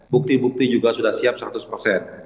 bukti bukti juga sudah siap seratus persen